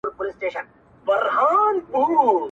• یوه بل ته چي طبیب سي د زاړه پرهار حبیب سي -